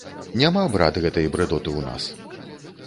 Няма, брат, гэтай брыдоты ў нас!